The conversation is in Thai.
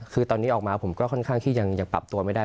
คือตอนนี้ออกมาผมก็ค่อนข้างที่ยังปรับตัวไม่ได้